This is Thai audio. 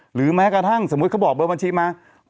หรือแม้กระทั่งสมมุติเขาบอกเบอร์บัญชีมา